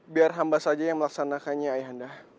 biar hamba saja yang melaksanakannya ayah anda